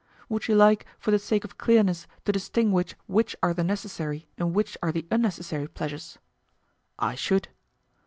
Would you like, for the sake of clearness, to distinguish which are the necessary and which are the unnecessary pleasures? I should.